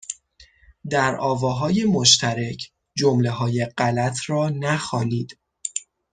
در آواهای مشترک جملههای غلط را نخوانید